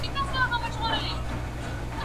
هغه څوک چي موسيقي اوري آرام وي